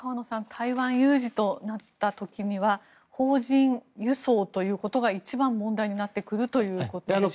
台湾有事となった時には邦人輸送ということが一番問題になってくるということでしょうか。